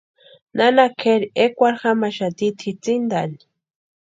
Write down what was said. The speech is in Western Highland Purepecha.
Nana kʼeri ekwarhu jamaxati tʼitsíntani.